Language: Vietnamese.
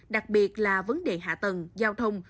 đặc biệt là vấn đề hạ tầng giao thông